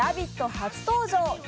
初登場日